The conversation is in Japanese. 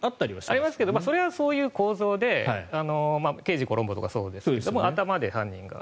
ありますけどそれはそういう構造で「刑事コロンボ」とかそうですが頭で犯人が。